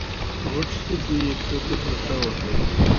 په غټو سترګو کې يې کرکه پرته وه.